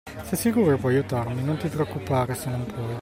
Sei sicuro che puoi aiutarmi? Non ti preoccupare se non puoi.